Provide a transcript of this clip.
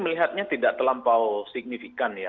melihatnya tidak terlampau signifikan